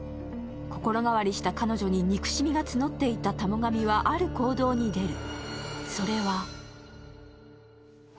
心変わりした彼女に憎しみが募っていった田母神はある行動に出る。